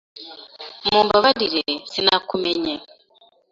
Mumbabarire, sinakumenye.